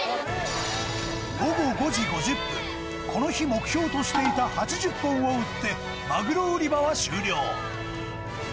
午後５時５０分、この日、目標としていた８０本を売って、マグロ売り場は終了。